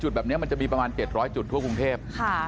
แบบนี้มันจะมีประมาณ๗๐๐จุดทั่วกรุงเทพ